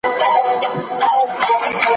فولکلور زموږ د ولس ږغ دی.